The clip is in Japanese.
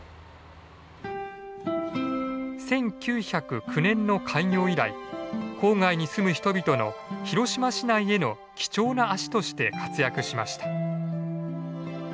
１９０９年の開業以来郊外に住む人々の広島市内への貴重な足として活躍しました。